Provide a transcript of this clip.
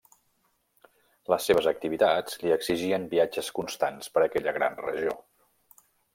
Les seves activitats li exigien viatges constants per aquella gran regió.